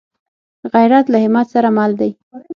غیرت له همت سره مل دی